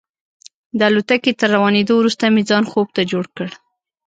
د الوتکې تر روانېدو وروسته مې ځان خوب ته جوړ کړ.